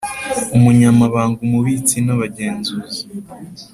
Umunyamabanga Umubitsi n Abagenzuzi